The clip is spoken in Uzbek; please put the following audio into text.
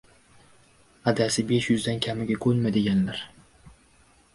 Adasi besh yuzdan kamiga ko‘nma deganlar.